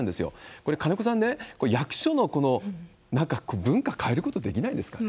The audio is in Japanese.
これ、金子さん、役所のなんか、文化、変えることできないですかね？